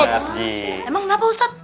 emang kenapa ustadz